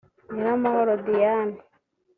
Nyiramahoro Diane